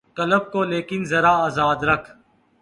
قلب کو لیکن ذرا آزاد رکھ